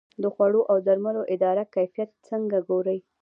د خوړو او درملو اداره کیفیت څنګه ګوري؟